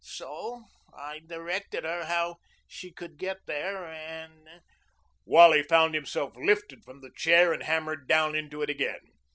"So I directed her how she could get there and " Wally found himself lifted from the chair and hammered down into it again.